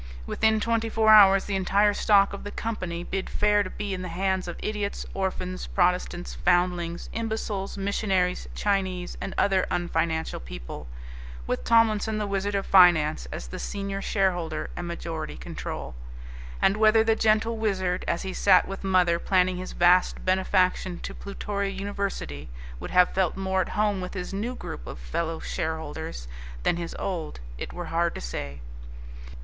Within twenty four hours the entire stock of the company bid fair to be in the hands of Idiots, Orphans, Protestants, Foundlings, Imbeciles, Missionaries, Chinese, and other unfinancial people, with Tomlinson the Wizard of Finance as the senior shareholder and majority control. And whether the gentle Wizard, as he sat with mother planning his vast benefaction to Plutoria University, would have felt more at home with his new group of fellow shareholders than his old, it were hard to say.